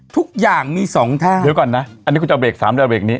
ทุกอย่างมีสองทางเดี๋ยวก่อนนะอันนี้คุณจะเบรกสามเรือเบรกนี้